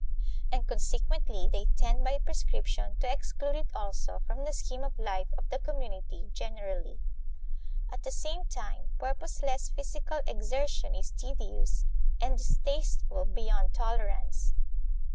And consequently they tend by prescription to exclude it also from the scheme of life of the community generally. At the same time purposeless physical exertion is tedious and distasteful beyond tolerance.